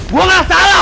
gue nggak salah